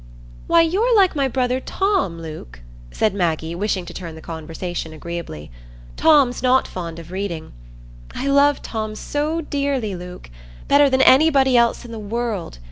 "Why, you're like my brother Tom, Luke," said Maggie, wishing to turn the conversation agreeably; "Tom's not fond of reading. I love Tom so dearly, Luke,—better than anybody else in the world.